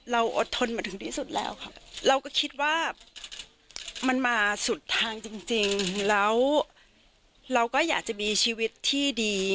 อดทนมาถึงที่สุดแล้วค่ะเราก็คิดว่ามันมาสุดทางจริงแล้วเราก็อยากจะมีชีวิตที่ดี